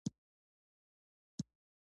زموږ په کتاب کې ډېر ښه مطلبونه راغلي دي.